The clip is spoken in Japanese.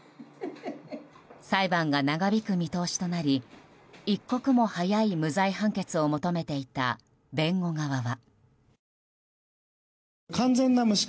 裁判が長引く見通しとなり一刻も早い無罪判決を求めていた弁護側は。